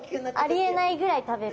ありえないぐらい食べる。